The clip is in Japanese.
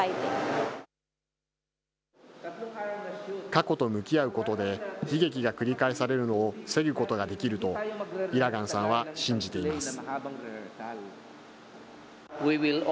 過去と向き合うことで、悲劇が繰り返されるのを防ぐことができると、イラガンさんは信じています。